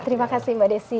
terima kasih mbak desi